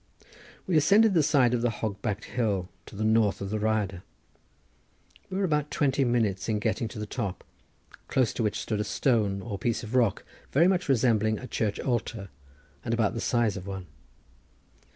We ascended the side of the hog backed hill to the north of the Rhyadr. We were about twenty minutes in getting to the top, close to which stood a stone or piece of rock, very much resembling a church altar, and about the size of one.